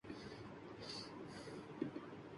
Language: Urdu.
بھارت میں خشونت سنگھ کی کتاب فحش قرار عام فروخت پر پابندی